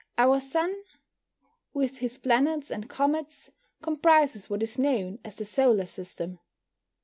Our Sun, with his planets and comets, comprises what is known as the solar system.